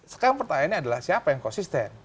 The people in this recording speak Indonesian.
sekarang pertanyaannya adalah siapa yang konsisten